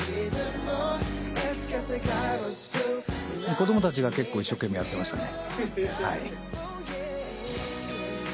子どもたちは結構一生懸命やっていましたね。